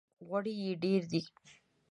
غوړي یې ډېر دي!